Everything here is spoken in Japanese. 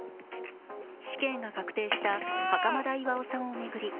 死刑が確定した袴田巌さんを巡り